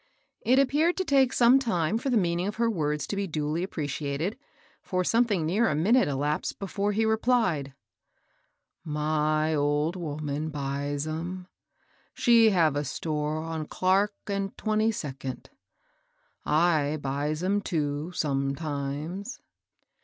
It appeared to take some time for the meaning of her words to be duly appreciated, for something near a minute elapsed before he replied, "My old woman buys 'em. She have a store on Clark and Twenty second. I buys 'em too, sometimes."